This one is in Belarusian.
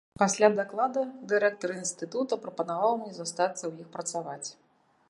Пасля даклада дырэктар інстытута прапанаваў мне застацца ў іх працаваць.